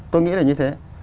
tôi nghĩ là như thế